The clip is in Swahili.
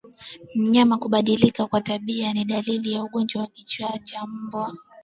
Mnyama kubadilika kwa tabia ni dalili ya ugonjwa wa kichaa cha mbwa